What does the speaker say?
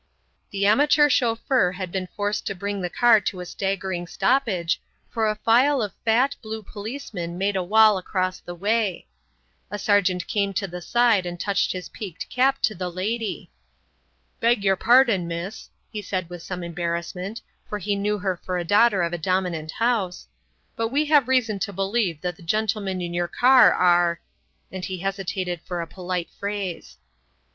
The amateur chauffeur had been forced to bring the car to a staggering stoppage, for a file of fat, blue policemen made a wall across the way. A sergeant came to the side and touched his peaked cap to the lady. "Beg your pardon, miss," he said with some embarrassment, for he knew her for a daughter of a dominant house, "but we have reason to believe that the gentlemen in your car are " and he hesitated for a polite phrase.